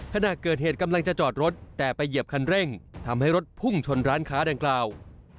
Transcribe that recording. ขณะเกิดเหตุกำลังจะจอดรถแต่ไปเหยียบคันเร่งทำให้รถพุ่งชนร้านค้าดังกล่าว